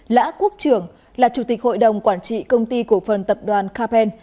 lã quốc trưởng là chủ tịch hội đồng quản trị công ty cổ phần tập đoàn capel